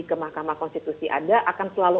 ke mahkamah konstitusi ada akan selalu